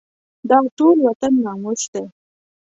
دا ټول وطن ناموس دی.